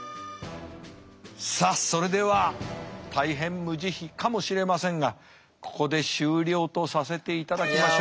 さあそれでは大変無慈悲かもしれませんがここで終了とさせていただきましょう。